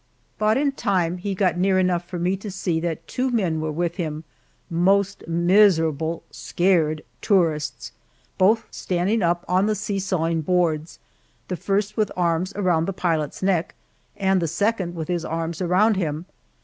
But in time he got near enough for me to see that two men were with him most miserable, scared tourists both standing up on the seesawing boards, the first with arms around the pilot's neck, and the second with his arms around him.